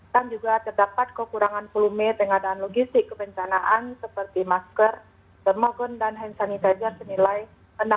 dan juga terdapat kekurangan volume pengadaan logistik kebencanaan seperti masker termogen dan hand sanitizer senilai rp enam puluh tiga juta